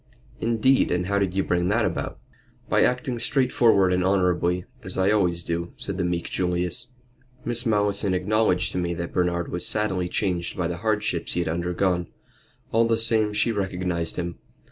"Indeed! And how did you bring that about?" "By acting straightforward and honorably, as I always do," said the meek Julius. "Miss Malleson acknowledged to me that Bernard was sadly changed by the hardships he had undergone. All the same she recognized him.